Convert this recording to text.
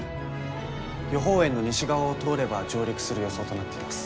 予報円の西側を通れば上陸する予想となっています。